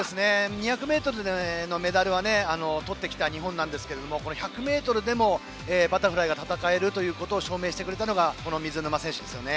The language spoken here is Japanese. ２００ｍでのメダルはとってきた日本なんですけれども１００ｍでもバタフライが戦えることを証明したのがこの水沼選手ですね。